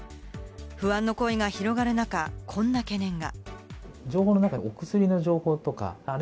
不安の声が広がる中、こんな懸念が。